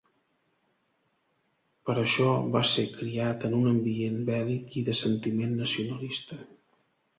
Per això, va ser criat en un ambient bèl·lic i de sentiment nacionalista.